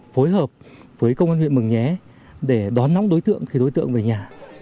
phối hợp với công an huyện mường nhé để đón nóng đối tượng khi đối tượng về nhà